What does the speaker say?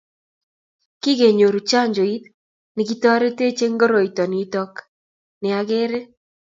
kikenyoru chanjoit ne ketrtech eng' koroito nito ne ang'er